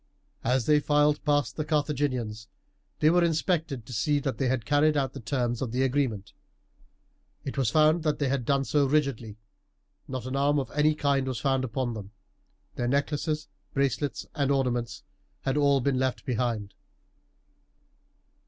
As they filed past the Carthaginians they were inspected to see that they had carried out the terms of the agreement. It was found that they had done so rigidly not an arm of any kind was found upon them. Their necklaces, bracelets, and ornaments had all been left behind.